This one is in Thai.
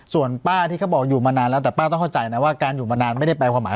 ส่วนป้าที่เขาบอกอยู่มานานแล้วแต่ป้าต้องเข้าใจนะว่าการอยู่มานานไม่ได้แปลความหมาย